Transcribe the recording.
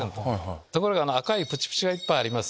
ところがあの赤いプチプチがいっぱいあります。